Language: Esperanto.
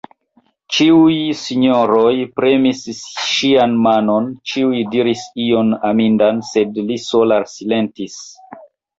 Ĉiuj sinjoroj premis ŝian manon, ĉiuj diris ion amindan, sed li sola silentis.